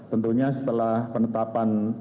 tentunya setelah penetapan